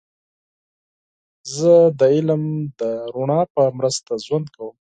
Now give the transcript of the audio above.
زه د علم د رڼا په مرسته ژوند کوم.